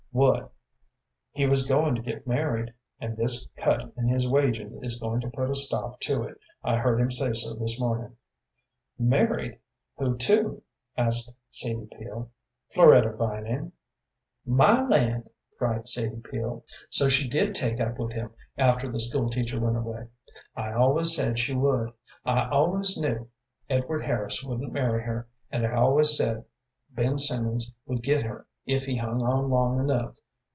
"What?" "He was going to get married, and this cut in his wages is going to put a stop to it. I heard him say so this morning." "Married! Who to?" asked Sadie Peel. "Floretta Vining." "My land!" cried Sadie Peel. "So she did take up with him after the school teacher went away. I always said she would. I always knew Edward Harris wouldn't marry her, and I always said Ben Simmons would get her if he hung on long enough.